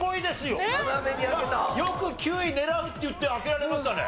よく９位狙うって言って開けられましたね。